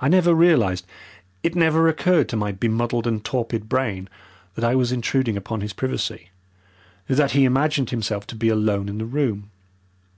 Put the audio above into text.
I never realized it never occurred to my bemuddled and torpid brain that I was intruding upon his privacy, that he imagined himself to be alone in the room.